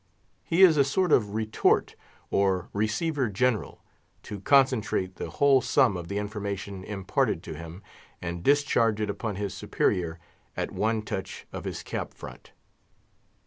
He is a sort of retort, or receiver general, to concentrate the whole sum of the information imparted to him, and discharge it upon his superior at one touch of his cap front.